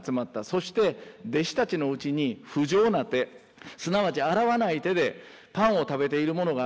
そして弟子たちのうちに不浄な手すなわち洗わない手でパンを食べている者があるのを見た。